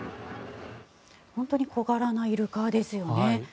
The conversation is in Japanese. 本当に小柄なイルカですよね。